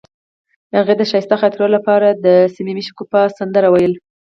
هغې د ښایسته خاطرو لپاره د صمیمي شګوفه سندره ویله.